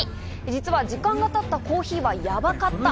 実は時間が経ったコーヒーはやばかった。